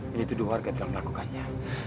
ini tuduh warga telah melakukannya